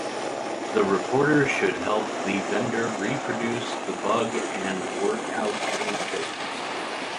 The reporter should help the vendor reproduce the bug and work out a fix.